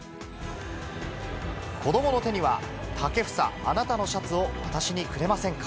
子どもの手には、武房、あなたのシャツを私にくれませんか？